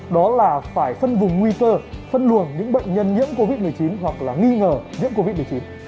đó là phải phân vùng nguy cơ phân luồng những bệnh nhân nhiễm covid một mươi chín hoặc là nghi ngờ nhiễm covid một mươi chín